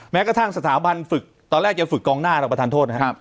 แม้กระทั่งสถาบันฝึกตอนแรกจะฝึกกองหน้าหรอกประธานโทษนะครับ